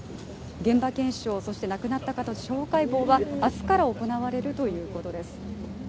現場検証そして亡くなった方の司法解剖は明日から行われるということです。